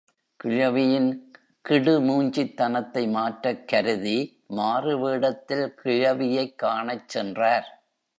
கிழவியின் கிடுமூஞ்சித் தனத்தை மாற்றக் கருதி, மாறுவேடத்தில் கிழவியைக் காணச் சென்றார்.